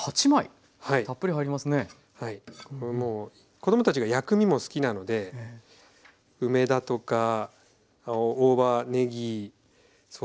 子どもたちが薬味も好きなので梅だとか大葉ねぎそうですね